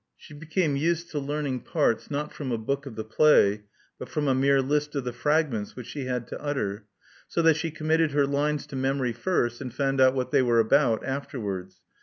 She Love Among the Artists 157 became used to learning parts, not from a book of the play, but from a mere list of the fragments which she had to utter; so that she committed her lines to memory first, and found out what they were about afterwards.